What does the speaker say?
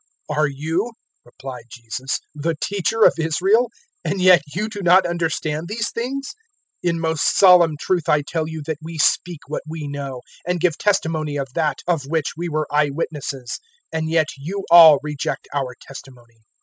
003:010 "Are you," replied Jesus, "`the Teacher of Israel,' and yet do you not understand these things? 003:011 In most solemn truth I tell you that we speak what we know, and give testimony of that of which we were eye witnesses, and yet you all reject our testimony.